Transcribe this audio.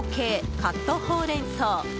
カットほうれん草。